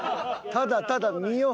ただただ見よう。